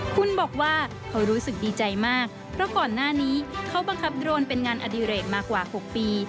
คุณบอกว่าเขารู้สึกดีใจมากเพราะก่อนหน้านี้เขาบังคับโดรนเป็นงานอดิเรกมากว่า๖ปี